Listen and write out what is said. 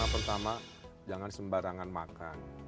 pertama jangan sembarangan makan